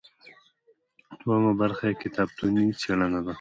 دوهمه برخه یې کتابتوني څیړنه ده.